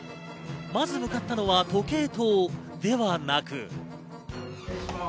まず向かったのは時計塔ではなく。